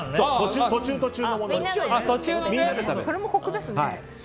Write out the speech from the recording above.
途中途中のものです。